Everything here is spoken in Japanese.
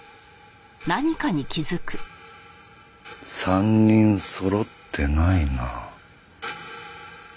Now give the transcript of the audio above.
３人そろってないな。